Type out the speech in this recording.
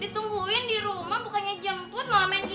gitu ditungguin di rumah bukannya jemput malah main gitar